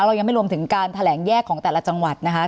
เรายังไม่รวมถึงการแถลงแยกของแต่ละจังหวัดนะคะ